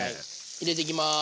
入れていきます。